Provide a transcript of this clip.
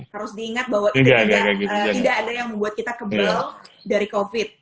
harus diingat bahwa tidak ada yang membuat kita kebal dari covid